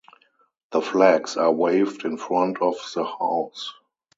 The flags are waved in front of the house.